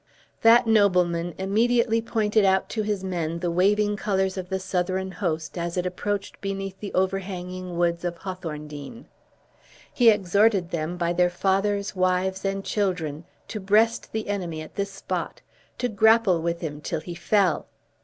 That nobleman immediately pointed out to his men the waving colors of the Southron host, as it approached beneath the overhanging woods of Hawthorndean. He exhorted them, by their fathers, wives, and children, to breast the enemy at this spot; to grapple with him till he fell.